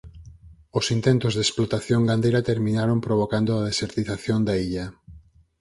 Os intentos de explotación gandeira terminaron provocando a desertización da illa.